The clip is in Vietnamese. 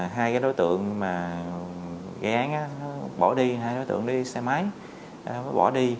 hai cái đối tượng mà gây án bỏ đi hai đối tượng đi xe máy bỏ đi